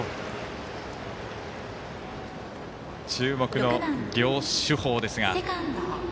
注目の両主砲ですが。